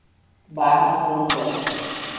Barra Funda